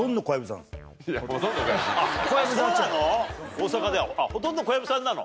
大阪ではほとんど小籔さんなの？